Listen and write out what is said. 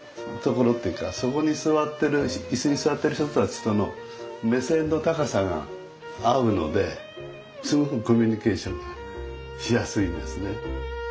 そこに座ってる椅子に座ってる人たちとの目線の高さが合うのですごくコミュニケーションがしやすいんですね。